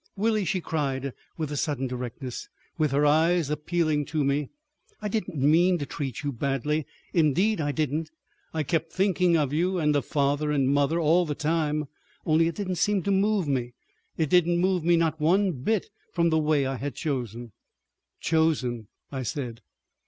"Willie," she cried with a sudden directness, with her eyes appealing to me, "I didn't mean to treat you badly—indeed I didn't. I kept thinking of you—and of father and mother, all the time. Only it didn't seem to move me. It didn't move me not one bit from the way I had chosen." "Chosen!" I said.